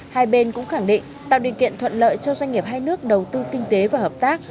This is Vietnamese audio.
hai bên cũng khẳng định tạo điều kiện thuận lợi cho doanh nghiệp hai nước đầu tư kinh tế và hợp tác